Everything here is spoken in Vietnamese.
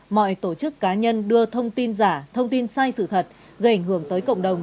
mọi tổ chức cá nhân đưa thông tin giả thông tin sai sự thật gây ảnh hưởng tới cộng đồng